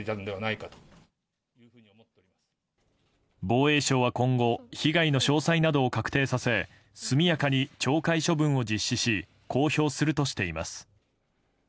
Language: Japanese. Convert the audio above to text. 防衛省は今後被害の詳細などを確定させ速やかに懲戒処分を実施し公表するとしています。